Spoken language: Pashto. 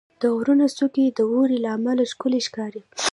• د غرونو څوکې د واورې له امله ښکلي ښکاري.